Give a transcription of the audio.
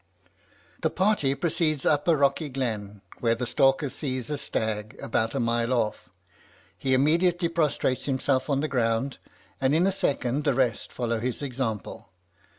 The party proceeds up a rocky glen, where the stalker sees a stag about a mile off. He immediately prostrates himself on the ground, and in a second the rest follow his example.